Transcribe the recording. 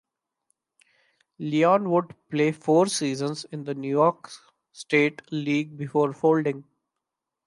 Ilion would play four seasons in the New York State League before folding.